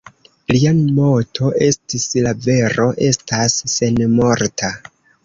Lia moto estis "La vero estas senmorta".